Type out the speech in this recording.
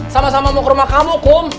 sama sama mau ke rumah kamu kum